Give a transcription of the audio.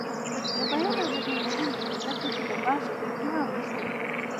د بیان ازادي مهمه ده ځکه چې د بحث کلتور رامنځته کوي.